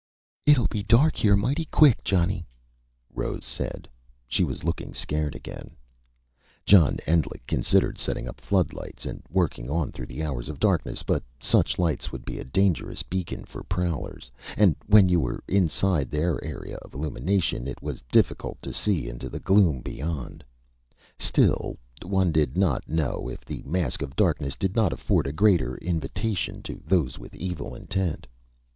"It'll be dark here mighty quick, Johnny," Rose said. She was looking scared, again. John Endlich considered setting up floodlights, and working on through the hours of darkness. But such lights would be a dangerous beacon for prowlers; and when you were inside their area of illumination, it was difficult to see into the gloom beyond. Still, one did not know if the mask of darkness did not afford a greater invitation to those with evil intent.